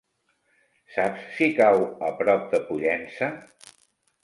Saps si cau a prop de Pollença?